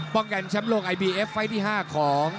ป้องกันแชมป์โลกไอบีเอฟไฟต์ที่ห้าของ